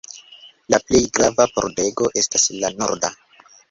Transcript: La plej grava pordego estas la norda.